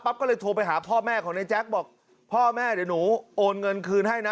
ก็เลยโทรไปหาพ่อแม่ของนายแจ๊คบอกพ่อแม่เดี๋ยวหนูโอนเงินคืนให้นะ